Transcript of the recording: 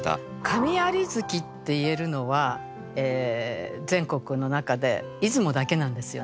「神在月」って言えるのは全国の中で出雲だけなんですよね。